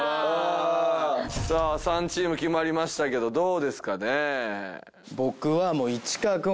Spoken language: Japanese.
さあ３チーム決まりましたけどどうですかね？